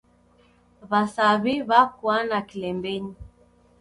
W'asaw'i w'akwana kilembenyi.